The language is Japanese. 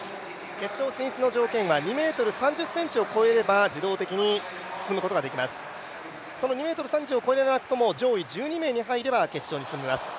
決勝進出の条件は２ｍ３０ｃｍを超えれば自動的に進むことができます、その２ｍ３０を越えれなくても上位１２名に入れば決勝に進めます。